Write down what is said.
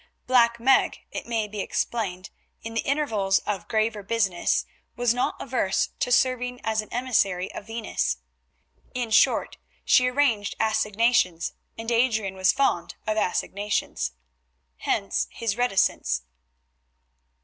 Black Meg, it may be explained, in the intervals of graver business was not averse to serving as an emissary of Venus. In short, she arranged assignations, and Adrian was fond of assignations. Hence his reticence.